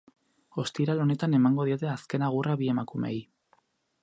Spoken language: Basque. Ostiral honetan emango diete azken agurra bi emakumeei.